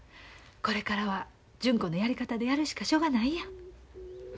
これからは純子のやり方でやるしかしょうがないやん。